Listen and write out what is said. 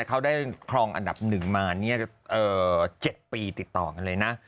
เขาได้ครองอันดับ๑มา๗ปีติดต่อกันเลยนะ